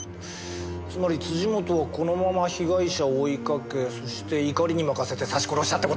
つまり本はこのまま被害者を追いかけそして怒りに任せて刺し殺したって事か！